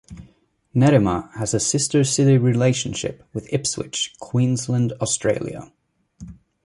Nerima has a sister-city relationship with Ipswich, Queensland, Australia.